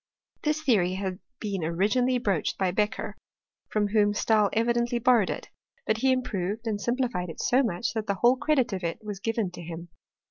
This theory liad been originally broached by Beccher, from whom Stabl evidently borrowed it, but he improved and sim« {dified it so much that the whole credit of it was given to him.